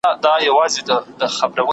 دولت به تر هغې پورې ستونزې حل کړې وي.